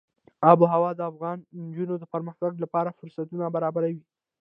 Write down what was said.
آب وهوا د افغان نجونو د پرمختګ لپاره فرصتونه برابروي.